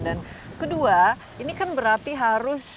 dan kedua ini kan berarti harus